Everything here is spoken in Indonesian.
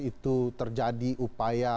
itu terjadi upaya